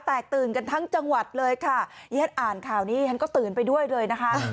ตื่นกันทั้งจังหวัดเลยค่ะญาติอ่านข่าวนี้ฉันก็ตื่นไปด้วยเลยนะคะ